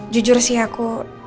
jujur sih aku